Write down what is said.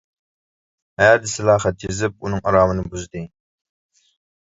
ھە دېسىلا خەت يېزىپ ئۇنىڭ ئارامىنى بۇزدى.